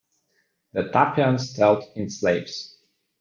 The Taphians dealt in slaves.